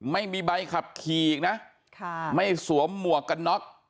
ไม่มีใบขับขี่อีกนะไม่สวมหมวกกันน็อก